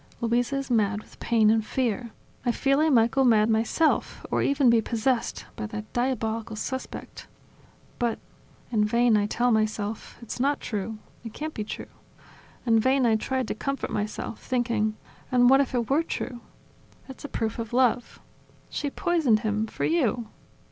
Luisa is mad with pain and fear. .. I feel I might go mad myself, or even be possessed by that diabolical suspect ... But ... In vain I tell myself: It's not true! It can't be true! ... In vain I tried to comfort myself, thinking: And what if it were true? ... It's a proof of love. She poisoned him for you!